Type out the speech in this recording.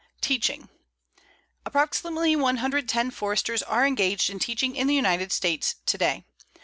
TEACHING Approximately 110 Foresters are engaged in teaching in the United States to day.